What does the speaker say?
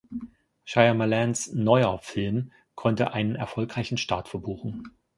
Shyamalans neuer Film konnte einen erfolgreichen Start verbuchen.